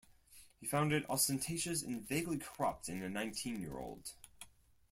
He found it ostentatious and vaguely corrupt in a nineteen-year-old...